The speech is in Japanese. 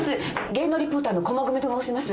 芸能リポーターの駒込と申します。